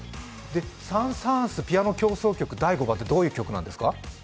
「サン＝サーンス：ピアノ協奏曲第５番」ってどういう曲なんですか？